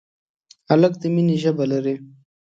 هلک د مینې ژبه لري.